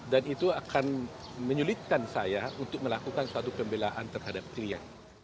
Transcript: dan itu akan menyulitkan saya untuk melakukan suatu pembelaan terhadap dirinya